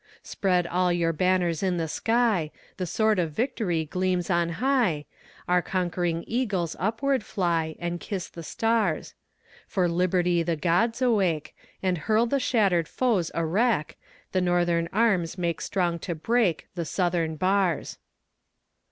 Spread all your banners in the sky, The sword of victory gleams on high, Our conquering eagles upward fly, And kiss the stars; For Liberty the Gods awake, And hurl the shattered foes a wreck, The Northern arms make strong to break The Southern bars.